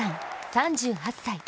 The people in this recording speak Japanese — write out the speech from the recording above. ３８歳。